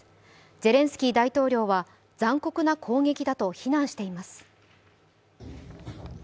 ゼレンスキー大統領は残酷な攻撃だと非難しています。